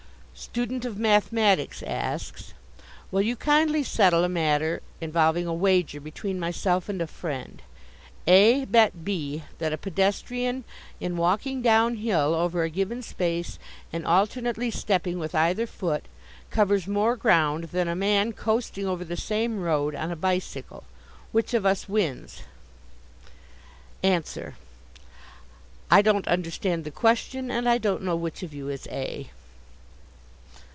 Student of Mathematics asks: Will you kindly settle a matter involving a wager between myself and a friend? A. bet B. that a pedestrian in walking downhill over a given space and alternately stepping with either foot, covers more ground than a man coasting over the same road on a bicycle. Which of us wins? Answer: I don't understand the question, and I don't know which of you is A.